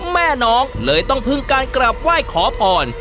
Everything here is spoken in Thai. แม่น้องเลยต้องพึ่งการกลับไหว้ขอพร